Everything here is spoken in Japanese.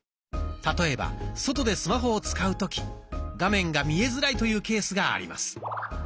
例えば外でスマホを使う時画面が見えづらいというケースがあります。